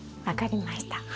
分かりました。